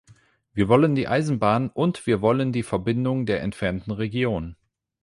Wir wollen die Eisenbahn, und wir wollen die Verbindung der entfernten Regionen.